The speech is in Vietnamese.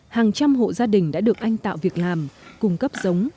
hàng trăm hộ gia đình đã được anh tạo việc làm cung cấp giống